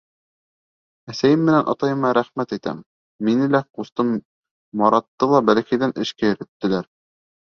— Әсәйем менән атайыма рәхмәт әйтәм: мине лә, ҡустым Маратты ла бәләкәйҙән эшкә өйрәттеләр.